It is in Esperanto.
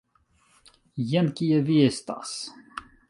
Jen kie vi estas!